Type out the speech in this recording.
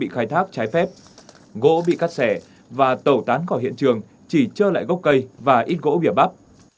khai thác trái phép gỗ bị cắt sẻ và tổ tán khỏi hiện trường chỉ cho lại gốc cây và ít gỗ bìa bắp